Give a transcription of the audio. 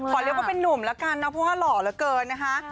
เรียกว่าเป็นนุ่มแล้วกันนะเพราะว่าหล่อเหลือเกินนะคะ